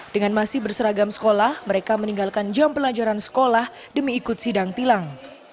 dengan masih berseragam sekolah mereka meninggalkan jam pelajaran sekolah demi ikut sidang tilang